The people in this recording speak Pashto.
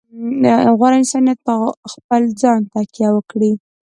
غوره انسانیت په خپل ځان تکیه وکړي.